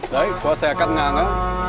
đấy qua xe cắt ngang đó